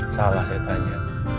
salah saya tanya